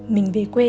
mình về quê